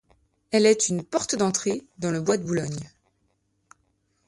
Elle est une porte d'entrée dans le bois de Boulogne.